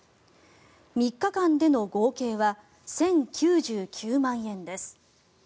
３日間での合計は１０９９万円です。